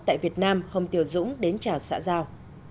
tại việt nam hồng kiều dũng đến chào xã giao